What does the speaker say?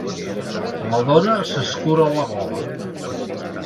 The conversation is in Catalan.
La dona s'escura la gola.